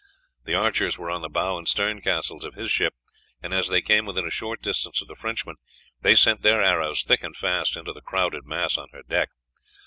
The archers were on the bow and stern castles of his ship, and as they came within a short distance of the Frenchman, they sent their arrows thick and fast into the crowded mass on her deck.